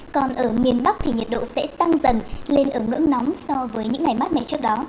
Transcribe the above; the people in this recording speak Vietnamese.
còn ở miền bắc thì nhiệt độ sẽ tăng dần lên ở ngưỡng nóng so với những ngày mát mẻ trước đó